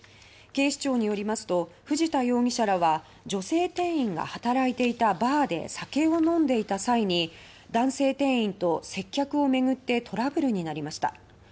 警視庁によりますと藤田容疑者らは女性店員が働いていたバーで酒を飲んでいた際に男性店員と接客を巡ってトラブルになりました。